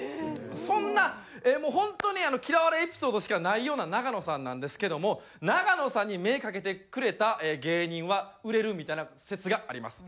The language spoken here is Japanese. そんな本当に嫌われエピソードしかないような永野さんなんですけども永野さんに目かけてくれた芸人は売れるみたいな説があります。